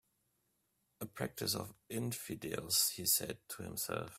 "A practice of infidels," he said to himself.